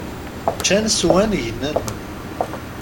Ččan swan gnen!